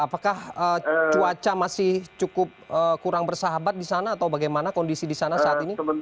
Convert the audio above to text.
apakah cuaca masih cukup kurang bersahabat di sana atau bagaimana kondisi di sana saat ini